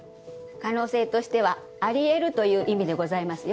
可能性としてはあり得るという意味でございますよ。